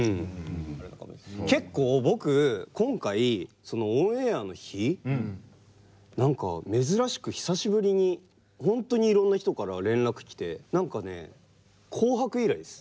結構僕今回そのオンエアの日何か珍しく久しぶりに本当にいろんな人から連絡来て何かね「紅白」以来です。